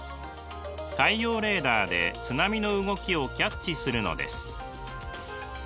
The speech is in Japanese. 海洋レーダーで津波の動きをキャッチするのです。